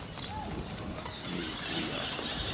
Ur ten-id-snulfuyeɣ.